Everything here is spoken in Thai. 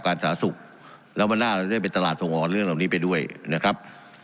สาธารณสุขแล้ววันหน้าเราจะได้เป็นตลาดส่งออกเรื่องเหล่านี้ไปด้วยนะครับ